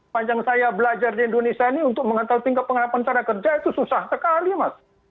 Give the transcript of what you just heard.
panjang saya belajar di indonesia ini untuk mengetahui tingkat pengharapan cara kerja itu susah sekali mas